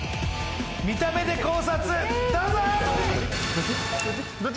見た目で考察どうぞどっち？